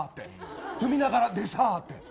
踏みながら、でさって。